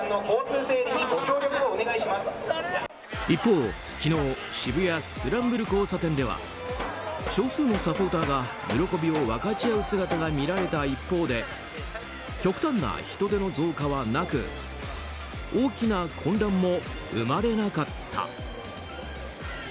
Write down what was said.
一方、昨日渋谷スクランブル交差点では少数のサポーターが喜びを分かち合う姿が見られた一方で極端な人出の増加はなく大きな混乱も生まれなかった。